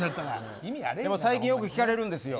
最近よく聞かれるんですけど。